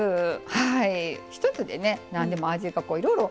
はい。